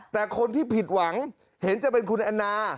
แต่คนที่ผิดหวังเห็นจะเป็นคุณแอนนา